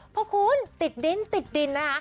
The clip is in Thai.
เพราะคุณติดดินติดดินนะคะ